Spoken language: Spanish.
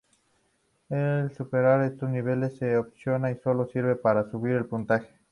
El superar estos niveles es opcional y sólo sirve para subir el puntaje.